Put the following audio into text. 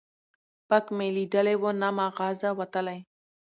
ـ پک مې ليدلى وو، نه معاغزه وتلى.